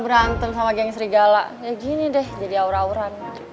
berantem sama geng serigala kayak gini deh jadi aura aura